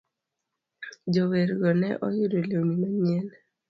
Jowergo ne oyudo lewni manyien.